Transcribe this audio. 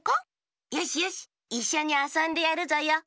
よしよしいっしょにあそんでやるぞよ。